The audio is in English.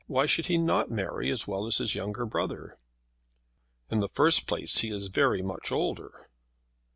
Why should he not marry as well as his younger brother?" "In the first place, he is very much older."